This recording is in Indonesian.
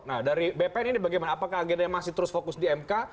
nah dari bpn ini bagaimana apakah agendanya masih terus fokus di mk